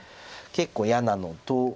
結構嫌なのと。